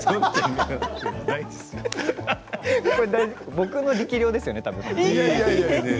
僕の力量ですよね、たぶん。